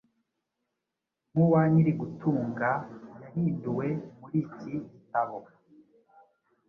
nkuwa nyiri gutunga yahinduwe muri iki gitabo